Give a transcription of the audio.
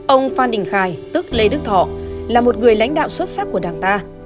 ông phan đình khải tức lê đức thọ là một người lãnh đạo xuất sắc của đảng ta